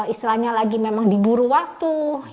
istilahnya lagi memang di buru waktu